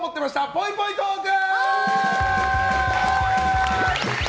ぽいぽいトーク！